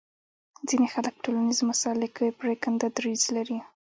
ځینې خلک په ټولنیزو مسایلو کې پرېکنده دریځ لري